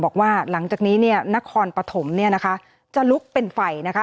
บอกว่าหลังจากนี้เนี่ยนครปฐมเนี่ยนะคะจะลุกเป็นไฟนะคะ